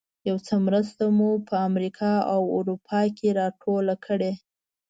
یو څه مرسته مو په امریکا او اروپا کې راټوله کړې.